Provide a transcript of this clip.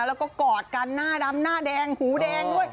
แล้วก็กอดกันหน้าดำหน้าแดงหูแดงด้วย